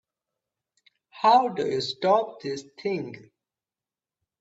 How do you stop this thing?